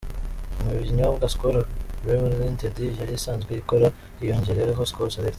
Mu binyobwa Skol Brewery Ltd yarisanzwe ikora hiyongereyeho Skol Select.